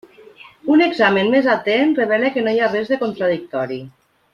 Un examen més atent revela que no hi ha res de contradictori.